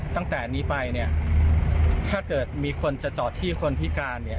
ตั้งแต่นี้ไปเนี่ยถ้าเกิดมีคนจะจอดที่คนพิการเนี่ย